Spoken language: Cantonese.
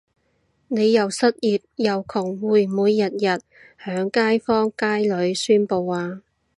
你又失業又窮會唔會日日向街坊街里宣佈吖？